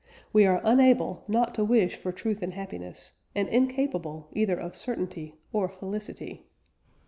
We are unable not to wish for truth and happiness, and incapable either of certainty or felicity."